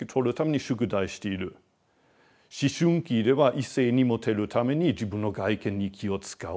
思春期では異性にモテるために自分の外見に気を遣う。